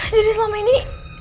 jadi selama ini